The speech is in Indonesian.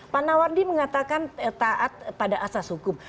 pak nawardi mengatakan taat pada asas hukum